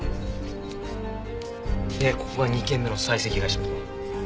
でここが２件目の採石会社だろ。